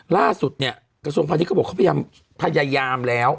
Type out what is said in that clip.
ล่าสุดเนี่ยกระทรวงภาคนี้เขาพยายามแล้ว